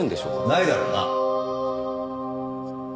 ないだろうな。